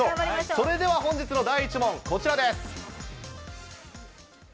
それでは本日の第１問、こちらです。